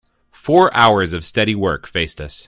Four hours of steady work faced us.